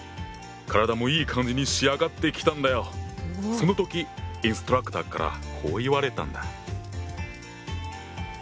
その時インストラクターからこう言われたんだ。